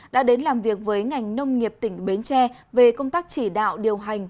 đã đến làm việc với ngành nông nghiệp tỉnh bến tre về công tác chỉ đạo điều hành